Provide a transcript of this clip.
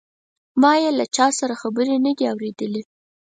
ما یې له چا سره خبرې نه دي اوریدلې.